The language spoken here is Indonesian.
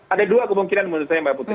ada dua kemungkinan menurut saya mbak putri